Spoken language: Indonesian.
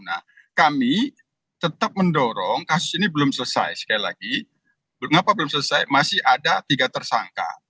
nah kami tetap mendorong kasus ini belum selesai sekali lagi mengapa belum selesai masih ada tiga tersangka